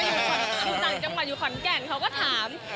อยู่ต่างจังหวัดอยู่ขอนแก่นเขาก็ถาม